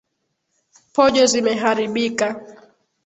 Pojo zimeharibika.